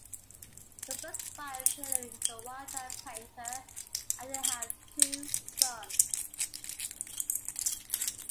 Soper's wife Hilary is a wildlife painter, and they have two sons.